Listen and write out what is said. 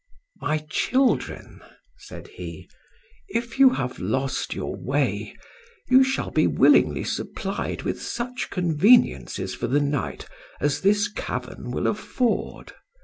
"My children," said he, "if you have lost your way, you shall be willingly supplied with such conveniences for the night as this cavern will afford.